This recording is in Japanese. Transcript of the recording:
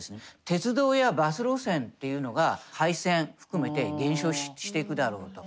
鉄道やバス路線というのが廃線含めて減少していくだろうと。